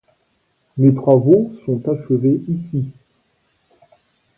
Mes travaux sont achevés ici !…